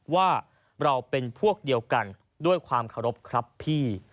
ว่าเราเป็นพวกเดียวกันด้วยความเคารพครับพี่